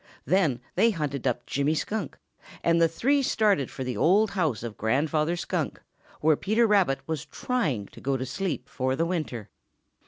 Then they hunted up Jimmy Skunk, and the three started for the old house of Grandfather Skunk, where Peter Rabbit was trying to go to sleep for the winter.